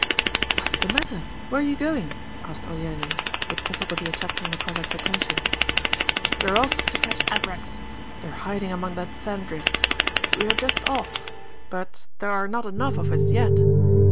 'What is the matter? Where are you going?' asked Olenin, with difficulty attracting the Cossacks' attention. 'We are off to catch abreks. They're hiding among the sand drifts. We are just off, but there are not enough of us yet.'